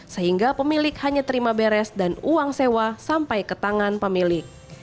sehingga pemilik hanya terima beres dan uang sewa sampai ke tangan pemilik